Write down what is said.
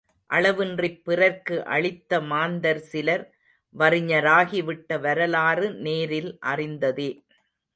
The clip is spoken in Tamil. அளவின்றிப் பிறர்க்கு அளித்தமாந்தர் சிலர் வறிஞராகி விட்ட வரலாறு நேரில் அறிந்ததே.